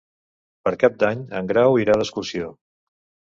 Per Cap d'Any en Grau irà d'excursió.